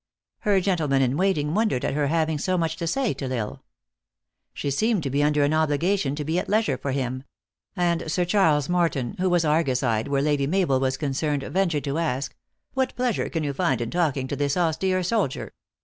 Her gentlemen in waiting wondered at her having so much to say to L Isle. She seemed to be under an obligation to be at leisure for him ; and Sir Charles THE ACTRESS IN HIGH LIFE. 411 Moreton, who was argus eyed where Lady Mabel was concerned, ventured to ask :" What pleasure can you find in talking to this austere soldier